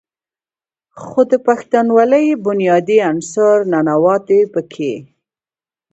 خو د پښتونولۍ بنيادي عنصر "ننواتې" پکښې